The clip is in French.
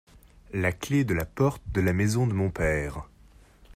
La clé de la porte de la maison de mon père.